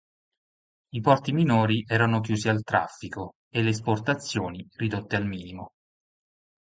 I porti minori erano chiusi al traffico e le esportazioni ridotte al minimo.